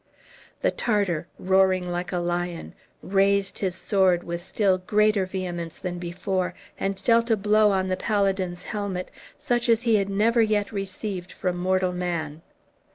The Tartar, roaring like a lion, raised his sword with still greater vehemence than before, and dealt a blow on the paladin's helmet, such as he had never yet received from mortal man.